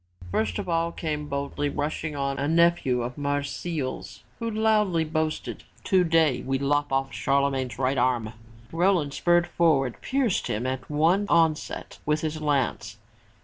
First of all came boldly rushing on, a nephew of Marsile's who loudly boasted. "Today we lop off Charlemagne's right arm!" Roland, spurring forward, pierced him at one onset with his lance.